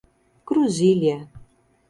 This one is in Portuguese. Cruzília